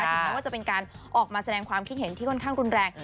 ถึงแม้ว่าจะเป็นการออกมาแสดงความคิดเห็นที่ค่อนข้างรุนแรง